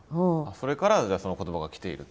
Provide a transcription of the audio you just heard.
それからじゃあその言葉が来ていると。